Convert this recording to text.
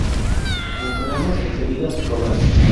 Mencionamos enseguida sus obras.